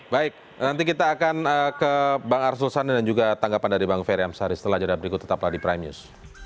baik nanti kita akan ke bang arsul sani dan juga tanggapan dari bang ferry amsari setelah jadwal berikut tetaplah di prime news